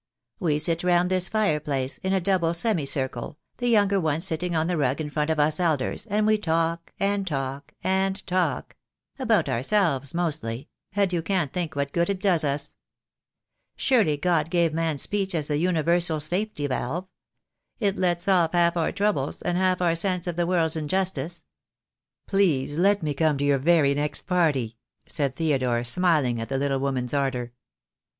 We sit round this fire place in a double semi circle, the younger ones sitting on the rug in front of us elders, and we talk, and talk, and talk — about ourselves mostly, and you can't think what good it does us. Surely God gave man speech as the 272 THE DAY WILL COME. universal safety valve. It lets off half our troubles, and half our sense of the world's injustice." "Please let me come to your very next party," said Theodore, smiling at the little woman's ardour.